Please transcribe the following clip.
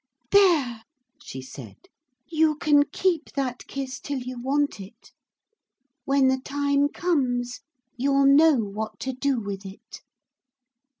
'There!' she said, 'you can keep that kiss till you want it. When the time comes you'll know what to do with it.